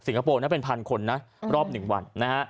สิงคโปร์น่าเป็น๑๐๐๐คนรอบ๑วัน